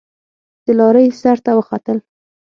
د لارۍ سر ته وختل.